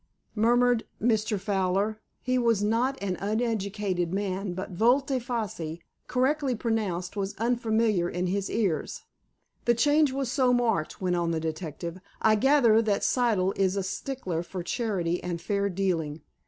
murmured Mr. Fowler. He was not an uneducated man, but volte face, correctly pronounced, was unfamiliar in his ears. "The change was so marked," went on the detective. "I gather that Siddle is a stickler for charity and fair dealing.